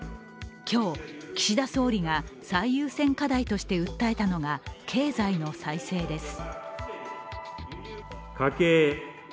今日、岸田総理が最優先課題として訴えたのが経済の再生です。